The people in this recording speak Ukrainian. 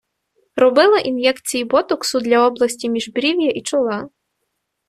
Робила ін'єкції ботоксу для області міжбрів'я і чола.